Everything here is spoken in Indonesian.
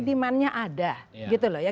demandnya ada gitu loh ya